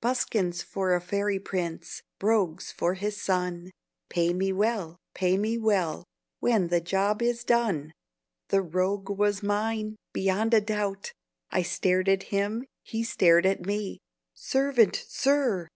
Buskins for a fairy prince, Brogues for his son, Pay me well, pay me well, When the job is done!" The rogue was mine, beyond a doubt. I stared at him; he stared at me; "Servant, Sir!"